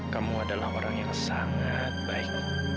kamu adalah orang yang sangat baik